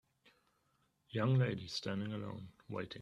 Young lady standing alone waiting.